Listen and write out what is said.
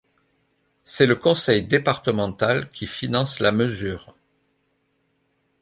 C'est le conseil départemental qui finance la mesure.